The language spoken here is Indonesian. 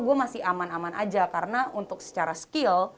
gue masih aman aman aja karena untuk secara skill